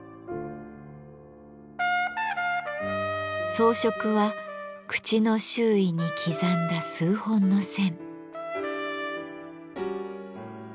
装飾は口の周囲に刻んだ数本の線。